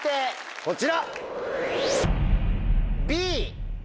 こちら！